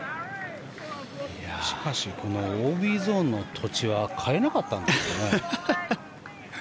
しかしＯＢゾーンの土地は変えなかったんですかね？